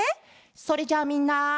それじゃあみんな。